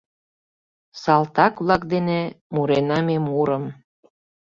Салтак-влак дене мурена ме мурым.